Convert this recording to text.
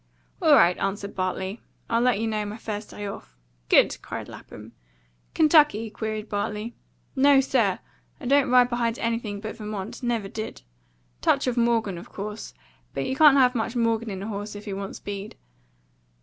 "All right," answered Bartley; "I'll let you know my first day off." "Good," cried Lapham. "Kentucky?" queried Bartley. "No, sir. I don't ride behind anything but Vermont; never did. Touch of Morgan, of course; but you can't have much Morgan in a horse if you want speed.